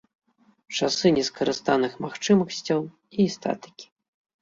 Часы нескарыстаных магчымасцяў і статыкі.